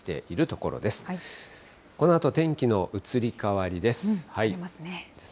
このあと天気の移り変わりです。